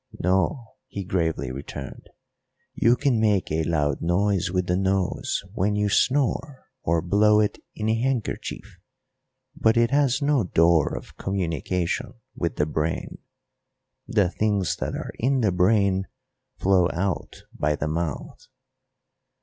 "No," he gravely returned. "You can make a loud noise with the nose when you snore or blow it in a handkerchief; but it has no door of communication with the brain. The things that are in the brain flow out by the mouth."